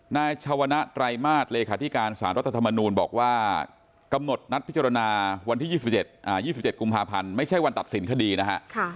นายชวนนะไตรมาสเลขาธิการสารรัฐธรรมนูลบอกว่ากำหนดนัดพิจารณาวันที่๒๗กุมภาพันธ์ไม่ใช่วันตัดสินคดีนะฮะ